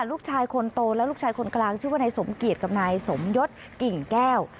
ลูกชายคนโตและลูกชายคนกลางชื่อว่านายสมเกียจกับนายสมยศกิ่งแก้ว